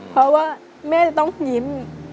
เพราะว่าแม่จะต้องยิ้ม